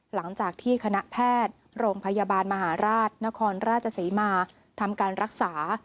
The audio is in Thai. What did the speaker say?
หลังจากที่คณะแพทย์โรงพยาบาลมหาราชนครราชศรีมาทำการรักษา